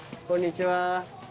こんにちは。